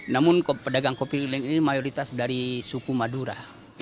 namun pedagang kopi keliling ini mayoritas dari suku madura